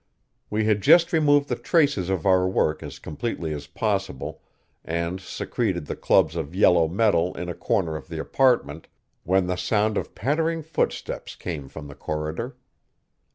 We had just removed the traces of our work as completely as possible and secreted the clubs of yellow metal in a corner of the apartment when the sound of pattering footsteps came from the corridor.